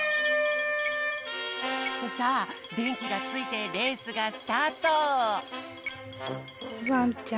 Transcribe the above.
さあでんきがついてレースがスタート！